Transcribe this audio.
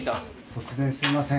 突然すいません。